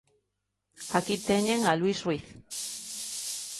Aquí teñen a Luís Ruiz.